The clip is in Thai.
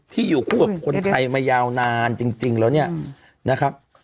อยู่คู่กับคนไทยมายาวนานจริงแล้วเนี่ยนะครับ